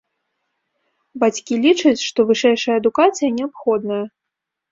Бацькі лічаць, што вышэйшая адукацыя неабходная.